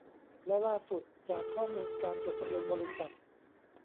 และล่าสุดจากข้อมูลการจดทะเบียนบริษัท